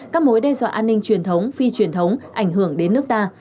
các mối đe dọa an ninh truyền thống phi truyền thống ảnh hưởng đến nước ta